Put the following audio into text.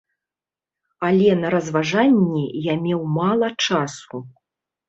Але на разважанні я меў мала часу.